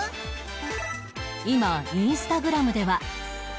今インスタグラムでは＃